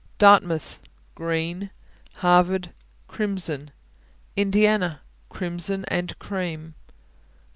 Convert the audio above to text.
Dartmouth Green. Harvard Crimson. Indiana Crimson and cream.